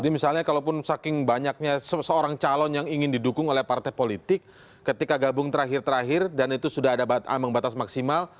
jadi misalnya kalau pun saking banyaknya seorang calon yang ingin didukung oleh partai politik ketika gabung terakhir terakhir dan itu sudah ada ambang batas maksimal